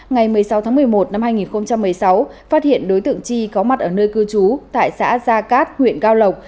ngày một mươi sáu tháng một mươi một năm hai nghìn một mươi sáu phát hiện đối tượng chi có mặt ở nơi cư trú tại xã gia cát huyện cao lộc